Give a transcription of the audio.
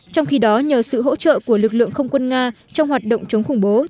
trong khi đó nhờ sự hỗ trợ của lực lượng không quân nga trong hoạt động chống khủng bố